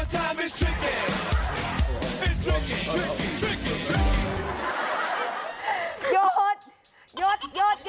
หยดหยดหยด